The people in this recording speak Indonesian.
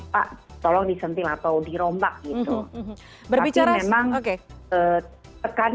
pak tolong disentil atau dirombak gitu